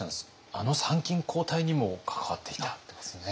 あの参勤交代にも関わっていたんですね。